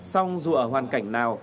xong dù ở hoàn cảnh nào